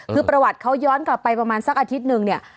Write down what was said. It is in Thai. คือประวัติเขาย้อนกลับไปประมาณสักอาทิตย์หนึ่งเนี่ย